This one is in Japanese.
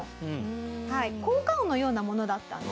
効果音のようなものだったんですね。